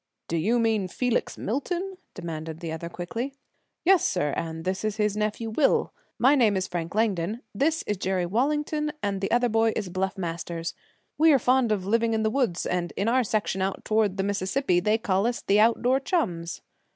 "Do you mean Felix Milton?" demanded the other quickly. "Yes, sir, and this is his nephew, Will. My name is Frank Langdon; this is Jerry Wallington, and the other boy is Bluff Masters. We are fond of living in the woods, and in our section out toward the Mississippi they call us the Outdoor Chums."